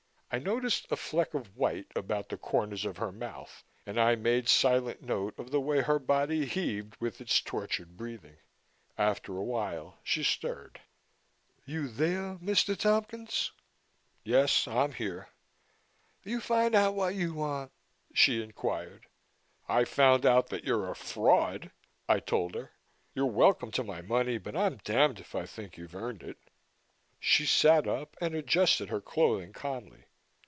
I noticed a fleck of white about the corners of her mouth and I made silent note of the way her body heaved with its tortured breathing. After a while, she stirred. "You theah, Mr. Tompkins?" "Yes, I'm here." "You fin' out what you wan'?" she inquired. "I found out that you're a fraud," I told her. "You're welcome to my money but I'm damned if I think you've earned it." She sat up and adjusted her clothing calmly.